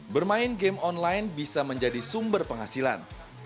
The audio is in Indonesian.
bermain game online bisa menjadi sumber penghasilan